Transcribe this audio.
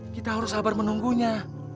kita harus sabar menunggunya